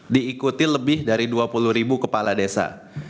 diikuti lebih dari dua puluh ribu kepala desa